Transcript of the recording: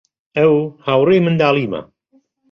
ئەو هاوڕێی منداڵیمە.